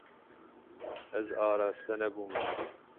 Ez araste nebûme.